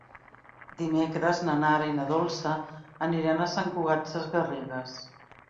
Dimecres na Nara i na Dolça aniran a Sant Cugat Sesgarrigues.